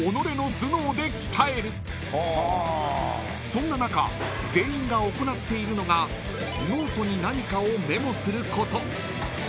［そんな中全員が行っているのがノートに何かをメモすること］